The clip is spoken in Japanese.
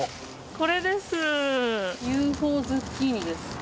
これです。